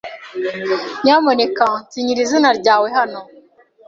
Nyamuneka sinyira izina ryawe hano.